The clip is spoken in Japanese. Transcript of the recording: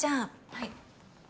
はい。